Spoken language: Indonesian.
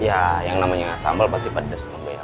ya yang namanya sambal pasti pedes